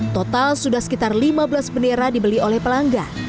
total sudah sekitar lima belas bendera dibeli oleh pelanggan